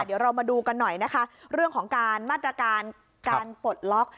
เดี๋ยวเรามาดูกันหน่อยนะคะเรื่องของการมาตรการการปลดล็อก